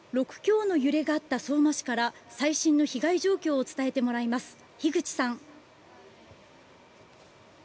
６強の揺れがあった相馬市から最新の被害状況を伝えてもらいます。